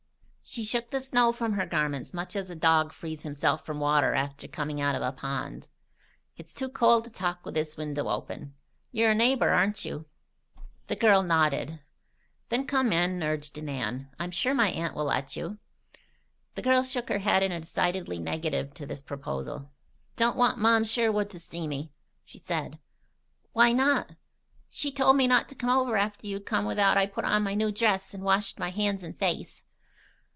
She shook the snow from her garments much as a dog frees himself from water after coming out of a pond. "It's too cold to talk with this window open. You're a neighbor, aren't you?" The girl nodded. "Then come in," urged Nan. "I'm sure my aunt will let you." The girl shook her head in a decided negative to this proposal. "Don't want Marm Sherwood to see me," she said. "Why not?" "She told me not to come over after you come 'ithout I put on my new dress and washed my hands and face."